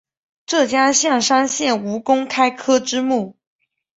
浙江象山县吴公开科之墓